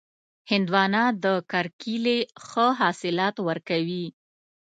هندوانه د کرکېلې ښه حاصلات ورکوي.